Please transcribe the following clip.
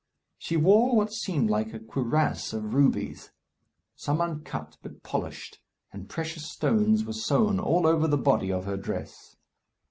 She wore what seemed like a cuirass of rubies some uncut, but polished, and precious stones were sewn all over the body of her dress.